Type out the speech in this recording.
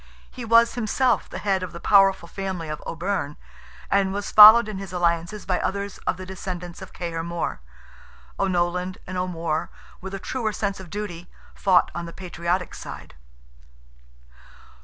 He was himself the head of the powerful family of O'Byrne, and was followed in his alliances by others of the descendants of Cahir More. O'Nolan and O'More, with a truer sense of duty, fought on the patriotic side.